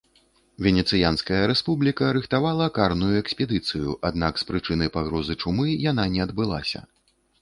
Венецыянская рэспубліка рыхтавала карную экспедыцыю, аднак з прычыны пагрозы чумы яна не адбылася.